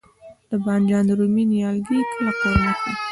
د بانجان رومي نیالګي کله قوریه کړم؟